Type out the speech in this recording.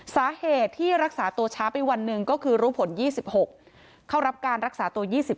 สาเหตุที่รักษาตัวช้าไปวันหนึ่งก็คือรู้ผล๒๖เข้ารับการรักษาตัว๒๙